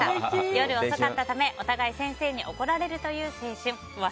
夜遅かったためお互い先生に怒られるという青春。